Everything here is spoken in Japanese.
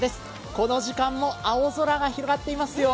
この時間も青空が広がっていますよ。